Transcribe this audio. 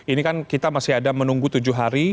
ini kan kita masih ada menunggu tujuh hari